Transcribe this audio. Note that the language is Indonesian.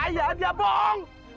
ayah dia bohong